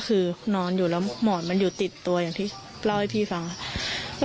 คือนอนอยู่แล้วหมอนมันอยู่ติดตัวอย่างที่เล่าให้พี่ฟังค่ะ